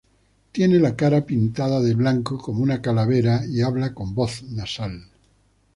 Tiene la cara pintada de blanco como una calavera y habla con voz nasal.